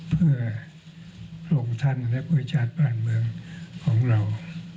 เพื่อลงทันและประวัติชาติบ้านเมืองของเรา